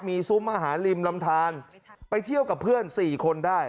มีซุปมหาลิมรำทานไปเที่ยวกับเพื่อนสี่คนได้